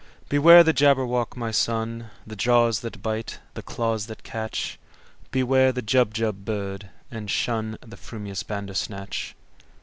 "Beware the Jabberwock, my son! The jaws that bite, the claws that catch! Beware the Jubjub bird, and shunThe frumious Bandersnatch!"